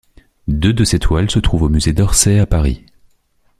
Deux de ses toiles se trouvent au Musée d'Orsay à Paris.